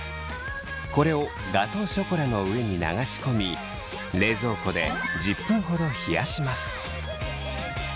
これをガトーショコラの上に流し込み冷蔵庫で１０分ほど冷やします。